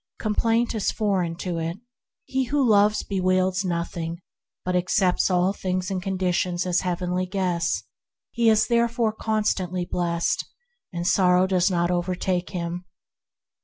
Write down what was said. Com plaint is foreign to it. He who loves bewails nothing, but accepts all things and conditions as heavenly guests; he is therefore constantly blessed, and sorrow does not overtake him.